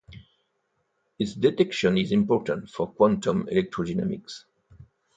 Its detection is important for quantum electrodynamics.